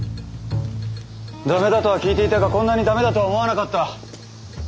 駄目だとは聞いていたがこんなに駄目だとは思わなかった。